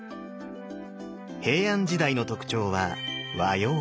平安時代の特徴は和様化。